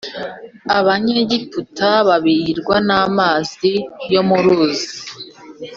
Abanyegiputa babihirwe n amazi yo mu ruzi